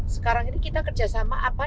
sekarang ini kita kerjasama apa